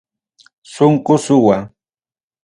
Sunqu suwa.